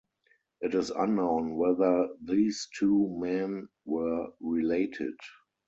It is unknown whether these two men were related.